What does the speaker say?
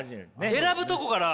選ぶとこから。